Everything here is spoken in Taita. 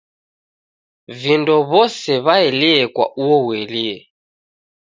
V'indo w'ose w'aelie kwa uo uelie